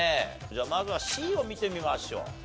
じゃあまずはＣを見てみましょう。